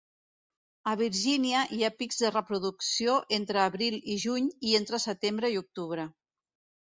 A Virginia hi ha pics de reproducció entre abril i juny i entre setembre i octubre.